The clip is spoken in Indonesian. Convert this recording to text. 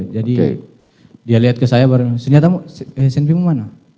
jadi dia lihat ke saya baru ternyata mu eh senpi mu mana